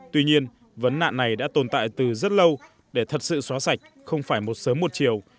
tuy nhiên vấn nạn này đã tồn tại từ rất lâu để thật sự xóa sạch không phải một sớm một chiều